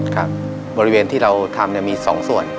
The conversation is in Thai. ครับบริเวณที่เราทำเนี่ยมี๒ส่วน